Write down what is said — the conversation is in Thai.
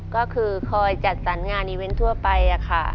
ก็คือคอยจัดสรรงานอีเวนต์ทั่วไปค่ะ